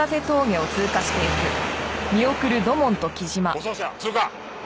護送車通過。